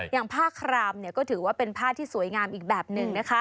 อย่างผ้าครามก็ถือว่าเป็นผ้าที่สวยงามอีกแบบหนึ่งนะคะ